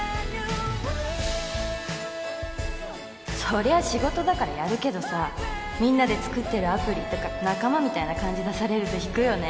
そりゃ仕事だからやるけどさ「みんなで作ってるアプリ」とか仲間みたいな感じ出されると引くよね。